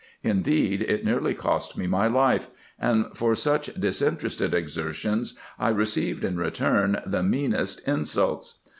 Indeed, it nearly cost me my life ; and for such disinterested exertions I received, in return, the meanest insults.